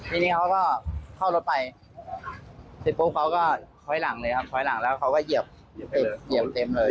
ทีนี้เขาก็เข้ารถไปเสร็จปุ๊บเขาก็ถอยหลังเลยครับถอยหลังแล้วเขาก็เหยียบเหยียบเต็มเลย